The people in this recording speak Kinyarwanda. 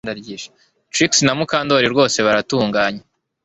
Trix na Mukandoli rwose baratunganye